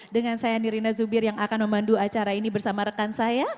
dengan saya nirina zubir yang akan memandu acara ini bersama rekan saya